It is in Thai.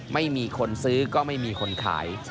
ไม่มีคนซื้อก็ไม่มีคนขาย